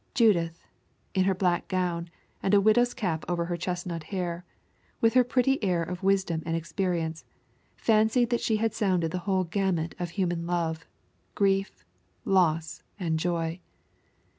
Judith, in her black gown, and a widow's cap over her chestnut hair, with her pretty air of wisdom and experience, fancied she had sounded the whole gamut of human love, grief, loss, and joy.